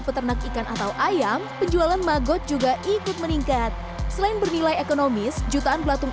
peternak ikan atau ayam penjualan magot juga ikut meningkat selain bernilai ekonomis jutaan pelatung